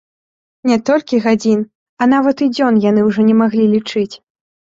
Не толькі гадзін, а нават і дзён яны ўжо не маглі лічыць.